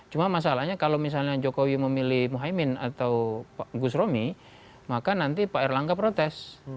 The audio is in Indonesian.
cuma masalahnya kalau misalnya jokowi memilih muhaymin atau pak gus romi maka nanti pak erlangga protes